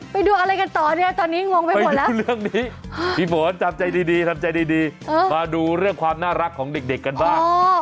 ไปดูอะไรกันต่อเนี่ยตอนนี้งงไปหมดแล้วคือเรื่องนี้พี่ฝนจำใจดีทำใจดีมาดูเรื่องความน่ารักของเด็กกันบ้าง